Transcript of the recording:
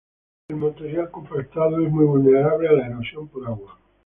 El material compactado es muy vulnerable a la erosión por agua.